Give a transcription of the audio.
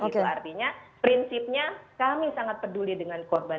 itu artinya prinsipnya kami sangat peduli dengan korban